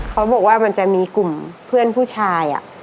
เขาบอกว่ามันจะมีกลุ่มเพื่อนผู้ชาย